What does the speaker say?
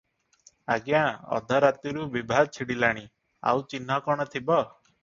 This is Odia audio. "ଆଜ୍ଞା! ଅଧ ରାତିରୁ ବିଭା ଛିଡ଼ିଲାଣି, ଆଉ ଚିହ୍ନ କଣ ଥିବ?